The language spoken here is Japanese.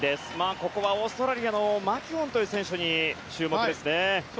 ここはオーストラリアのマキュオンという選手に注目ですね。